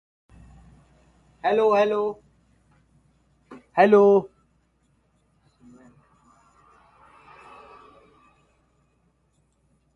Jennings was born in London, England.